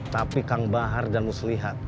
tapi kang bahar dan muslihat